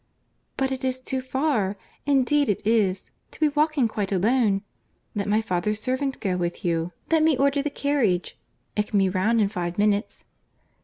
"But it is too far, indeed it is, to be walking quite alone. Let my father's servant go with you.—Let me order the carriage. It can be round in five minutes."